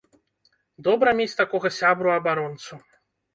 Добра мець такога сябру-абаронцу!